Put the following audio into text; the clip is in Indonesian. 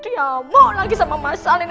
diamu lagi sama masalah ini